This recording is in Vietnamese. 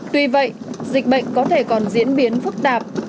tuy vậy dịch bệnh có thể còn diễn biến phức tạp